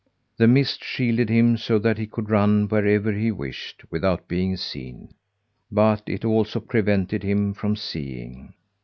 The mist shielded him, so that he could run wherever he wished without being seen, but it also prevented him from seeing.